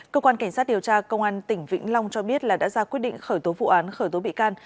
cơ quan cảnh sát điều tra công an tỉnh vĩnh long cho biết là đã ra quyết định khởi tố vụ án khởi tố bị can